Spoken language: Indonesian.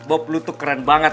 bob lu tuh keren banget